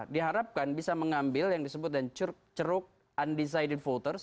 diharapkan bisa mengambil yang disebut dan ceruk undecided voters